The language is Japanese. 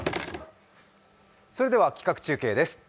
それでは企画中継です。